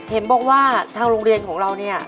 เห็นบอกว่าทางโรงเรียนของเราเนี่ย